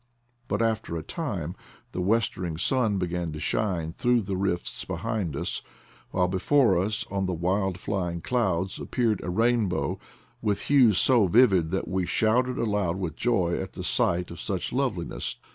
But after a time . the westering sun began to shine through the rifts behind us, while before us on the wild flying clouds appeared a rainbow with hues so vivid that we shouted aloud with joy at the sight of such loveli ASPECTS OF THE VALLEY 51 ness.